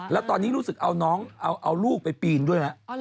แล้วตอนนี้รู้สึกเอาลูกไปปีนด้วยนะ